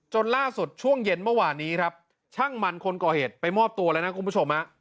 ล่าสุดช่วงเย็นเมื่อวานนี้ครับช่างมันคนก่อเหตุไปมอบตัวแล้วนะคุณผู้ชม